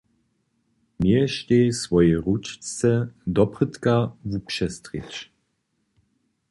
Měještej swojej ručce doprědka wupřestrěć.